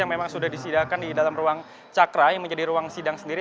yang memang sudah disediakan di dalam ruang cakra yang menjadi ruang sidang sendiri